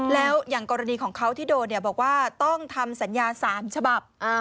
แล้วอย่างกรณีของเขาที่โดนบอกว่าต้องทำสัญญา๓ฉบับ